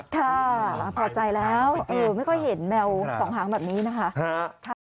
ค่ะพอใจแล้วไม่ค่อยเห็นแมวสองหางแบบนี้นะคะ